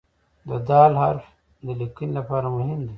د "د" حرف د لیکنې لپاره مهم دی.